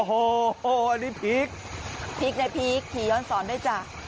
โอ้โหอันนี้พีคพีคในพีคขี่ย้อนสอนด้วยจ้ะ